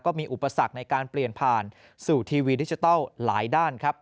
มีอุปสรรคในการเปลี่ยนผ่านสู่ทีวีดิจิทัลหลายด้านครับ